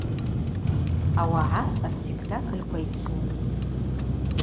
Ауагӏа аспектакльква йцун.